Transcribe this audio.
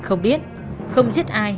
không biết không giết ai